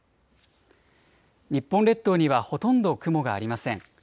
日本列島にはほとんど雲がありません。